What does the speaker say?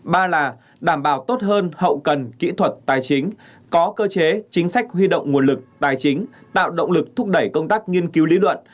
ba là đảm bảo tốt hơn hậu cần kỹ thuật tài chính có cơ chế chính sách huy động nguồn lực tài chính tạo động lực thúc đẩy công tác nghiên cứu lý luận